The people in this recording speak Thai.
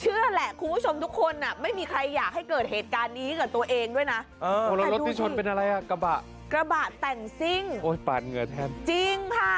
เหนื่อยเพียงใดวันนี้ยังมีความหวัง